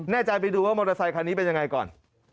แน่ใจไปดูว่ามอเตอร์ไซคันนี้เป็นยังไงก่อน